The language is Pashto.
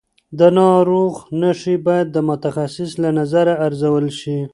د ناروغ نښې باید د متخصص له نظره ارزول شي.